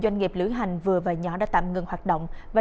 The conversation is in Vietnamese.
sau đó thì mới